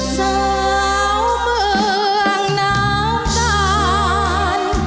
สาวเมืองน้ำตาล